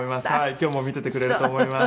今日も見ててくれると思います。